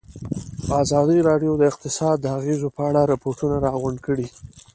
ازادي راډیو د اقتصاد د اغېزو په اړه ریپوټونه راغونډ کړي.